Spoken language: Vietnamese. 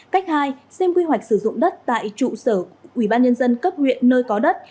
cách hai xem quy hoạch sử dụng đất tại trụ sở của ủy ban nhân dân cấp nguyện nơi có đất